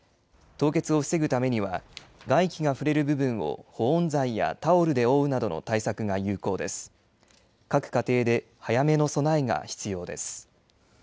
凍結を防ぐためには、外気が触れる部分を保温材やタオルで覆うなどの対策が有効です。